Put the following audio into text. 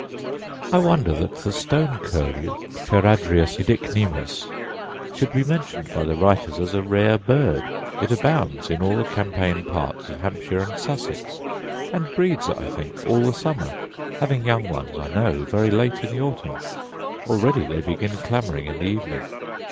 I wonder that the stone curlew, charadrius oedicnemus, should be mentioned by the writers as a rare bird: it abounds in all the champaign parts of Hampshire and Sussex, and breeds, I think, all the summer, having young ones, I know, very late in the autumn. Already they begin clamouring in the evening.